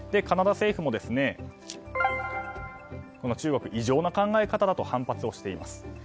カナダ政府も中国、異常な考え方だと反発しています。